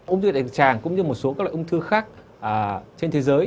ung thư đại tràng cũng như một số các loại ung thư khác trên thế giới